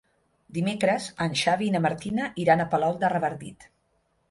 Dimecres en Xavi i na Martina iran a Palol de Revardit.